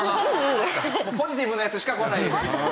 ポジティブなやつしか来ないように。